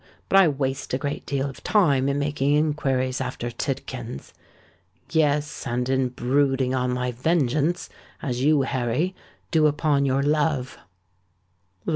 "But I waste a great deal of time in making inquiries after Tidkins—yes, and in brooding on my vengeance, as you, Harry, do upon your love."